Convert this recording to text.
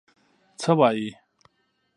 څه وايي.